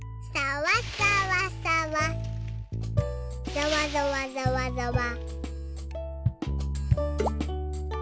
ざわざわざわざわ。